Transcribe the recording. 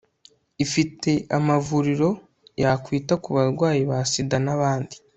ifite amavuriro yakwita ku barwayi ba sida n'abandi